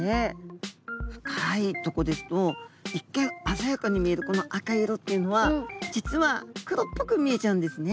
深いとこですと一見鮮やかに見えるこの赤い色っていうのは実は黒っぽく見えちゃうんですね。